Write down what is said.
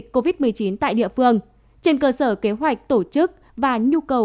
căn cứ vào tình hình dịch covid một mươi chín tại địa phương trên cơ sở kế hoạch tổ chức và nhu cầu